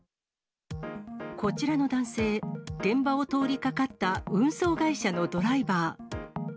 こちらの男性、現場を通りかかった運送会社のドライバー。